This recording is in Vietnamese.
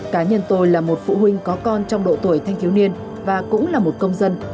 cá nhân tôi là một phụ huynh có con trong độ tuổi thanh thiếu niên và cũng là một công dân